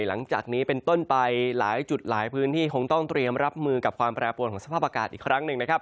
หลังจากนี้เป็นต้นไปหลายจุดหลายพื้นที่คงต้องเตรียมรับมือกับความแปรปวนของสภาพอากาศอีกครั้งหนึ่งนะครับ